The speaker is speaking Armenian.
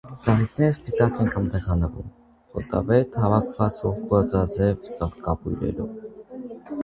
Ծաղիկները սպիտակ են կամ դեղնավուն, հոտավետ՝ հավաքված ողկյուզաձև ծաղկաբույլերում։